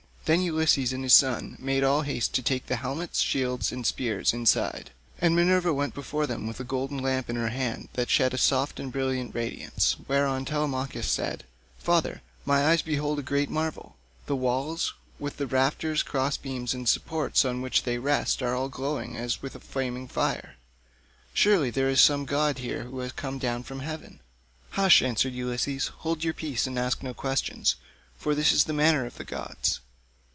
Then Ulysses and his son made all haste to take the helmets, shields, and spears inside; and Minerva went before them with a gold lamp in her hand that shed a soft and brilliant radiance, whereon Telemachus said, "Father, my eyes behold a great marvel: the walls, with the rafters, crossbeams, and the supports on which they rest are all aglow as with a flaming fire. Surely there is some god here who has come down from heaven." "Hush," answered Ulysses, "hold your peace and ask no questions, for this is the manner of the gods.